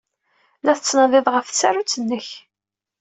La tettnadiḍ ɣef tsarut-nnek.